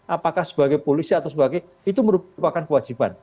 apakah sebagai polisi atau sebagai itu merupakan kewajiban